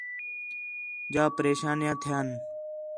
جا پریشانیاں تھیان